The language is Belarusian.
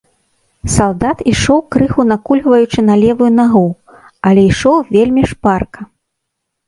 Салдат ішоў крыху накульгваючы на левую нагу, але ішоў вельмі шпарка.